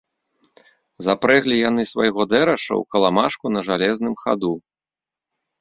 Запрэглі яны свайго дэраша ў каламажку на жалезным хаду.